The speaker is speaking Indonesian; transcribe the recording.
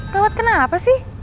gawat kenapa sih